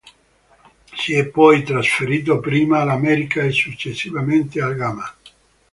Si è poi trasferito prima all'América e successivamente al Gama.